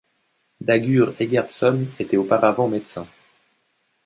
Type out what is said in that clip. Dagur Eggertsson était auparavant médecin.